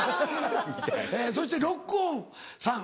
そしてロックオンさん。